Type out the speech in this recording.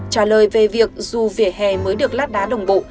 trả lời về việc dù vỉa hè mới được lát đá đồng bộ